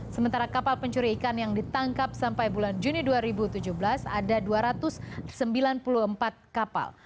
sementara kapal pencuri ikan yang ditangkap sampai bulan juni dua ribu tujuh belas ada dua ratus sembilan puluh empat kapal